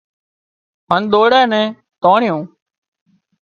هانَ ۮوئيڙا نين تانڻيون